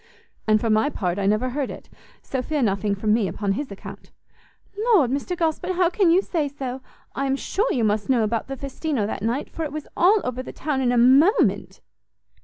"And for my part, I never heard it! so fear nothing from me upon his account." "Lord, Mr Gosport, how can you say so? I am sure you must know about the Festino that night, for it was all over the town in a moment."